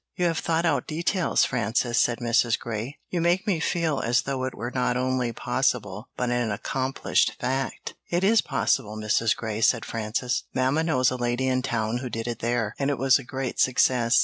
"You have thought out details, Frances," said Mrs. Grey. "You make me feel as though it were not only possible, but an accomplished fact." "It is possible, Mrs. Grey," said Frances. "Mamma knows a lady in town who did it there, and it was a great success.